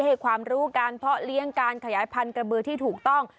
ให้ความรู้การเพาะเลี้ยงการขยายพันธุ์กระบือที่ถูกต้อง